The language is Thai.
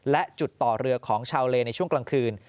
และจุดต่อเรือของชาวเลในช่วงกลางคืน